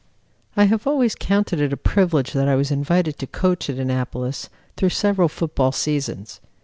I have always counted it a privilege that I was invited to coach at Annapolis through several football seasons.